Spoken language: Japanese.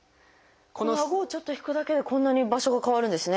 このあごをちょっと引くだけでこんなに場所が変わるんですね。